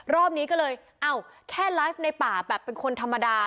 รอบนี้ก็เลยเอ้าแค่ไลฟ์ในป่าแบบเป็นคนธรรมดา